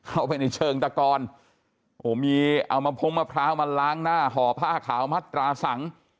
เข้าไปในเชิงตะกอนโอ้โหมีเอามะพงมะพร้าวมาล้างหน้าห่อผ้าขาวมัตราสัง